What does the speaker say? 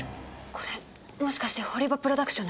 これもしかして堀場プロダクションの人が。